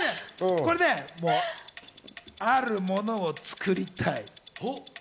これね、あるものをつくりたい。